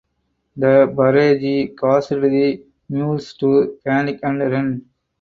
The barrage caused the mules to panic and run.